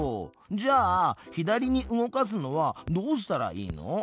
じゃあ左に動かすのはどうしたらいいの？